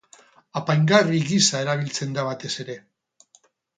Apaingarri gisa erabiltzen da batez ere.